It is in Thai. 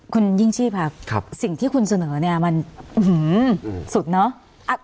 คุณยิ่งชีพครับสิ่งที่คุณเสนอเนี่ยมันสุดเนอะ